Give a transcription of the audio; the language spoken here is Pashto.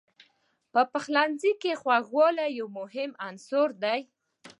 په پخلنځي کې خوږوالی یو مهم عنصر دی.